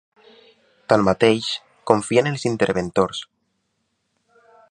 Tanmateix, confia en els interventors.